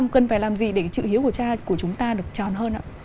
cần phải làm gì để chữ hiếu của cha của chúng ta được tròn hơn ạ